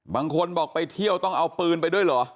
บางคนบอกไปเที่ยวต้องเอาปืนไปด้วยเหรอ